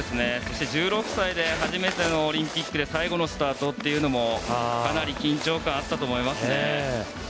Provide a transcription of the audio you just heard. １６歳で初めてのオリンピックで最後のスタートというのはかなり緊張感があったと思いますね。